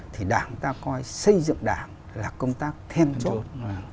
thì đảng ta coi xây dựng đảng là công tác then chốt